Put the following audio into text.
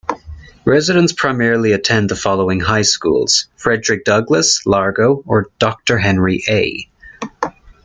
Residents primarily attend the following high schools: Frederick Douglass, Largo, or Doctor Henry A.